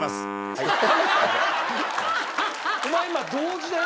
お前今同時だよ？